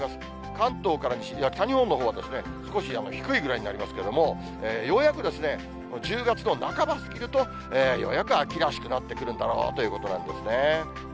関東から西、北日本のほうは少し低いぐらいになりますけれども、ようやく１０月の半ば過ぎるとようやく秋らしくなってくるんだろうということなんですね。